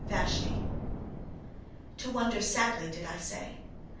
VASHTI. To wonder sadly, did I say?